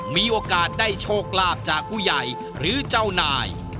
มีโอกาสได้โชคลาภจากผู้ใหญ่หรือเจ้านาย